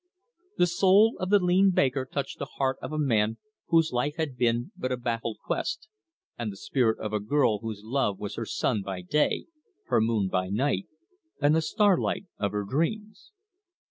The soul of the lean baker touched the heart of a man whose life had been but a baffled quest, and the spirit of a girl whose love was her sun by day, her moon by night, and the starlight of her dreams.